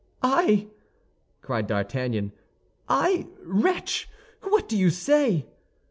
"I!" cried D'Artagnan. "I, wretch? What do you say?"